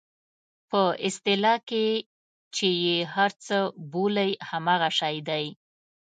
په اصطلاح کې چې یې هر څه بولئ همغه شی دی.